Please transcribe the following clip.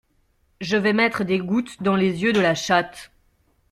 Je vais mettre des gouttes dans les yeux de la chatte.